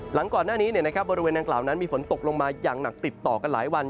หลังก่อนหน้านี้บริเวณดังกล่าวนั้นมีฝนตกลงมาอย่างหนักติดต่อกันหลายวัน